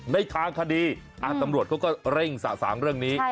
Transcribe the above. ในทางคดีตำรวจเขาก็เร่งสะสางเรื่องนี้